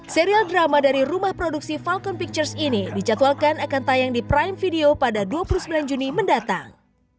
serial drama dari rumah produksi falcon pictures ini dijadwalkan akan tayang di prime video pada dua puluh sembilan juni mendatang